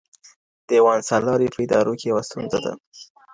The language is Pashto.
دېوان سالاري په ادارو کې یوه ستونزه ده.